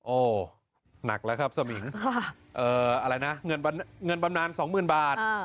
โอ้หนักแล้วครับสมิงเอออะไรนะเงินบำนานสองหมื่นบาท